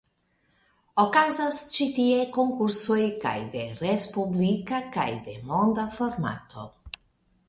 Okazas ĉi tie konkursoj kaj de respublika kaj de monda formato.